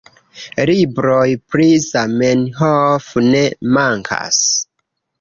Libroj pri Zamenhof ne mankas.